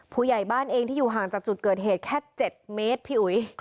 ผู้ใหญ่บ้านเองที่อยู่ห่างจากจุดเกิดเหตุแค่๗เมตรพี่อุ๋ย